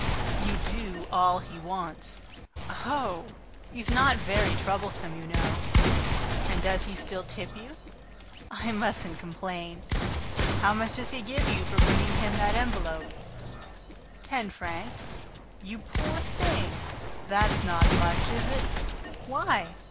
"You do all he wants." "Oh! He's not very troublesome, you know." "And does he still tip you?" "I mustn't complain." "How much does he give you for bringing him that envelope?" "Ten francs." "You poor thing! That's not much, is it? "Why?"